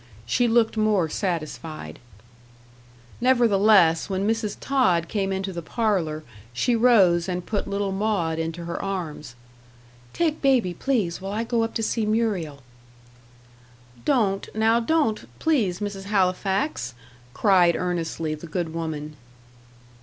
She looked more satisfied. Nevertheless, when Mrs. Tod came into the parlour, she rose and put little Maud into her arms. "Take baby, please, while I go up to see Muriel." "Don't now don't, please, Mrs. Halifax," cried earnestly the good woman.